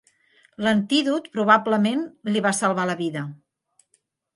L'antídot probablement li va salvar la vida.